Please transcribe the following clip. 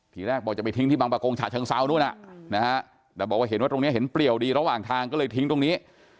ตรงนี้เห็นเปรียวดีระหว่างทางก็เลยทิ้งตรงนี้